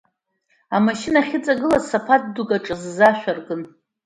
Амашьына ахьыҵагылаз, саԥаҭ дуқәак аҿазза, ашә аркын.